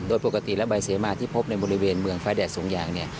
โดยปกติและใบเสมอที่พบในบริเวณเมืองฟ้าแดดสงหยาง